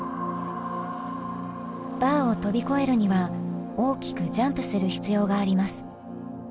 バーを飛び越えるには大きくジャンプする必要があります。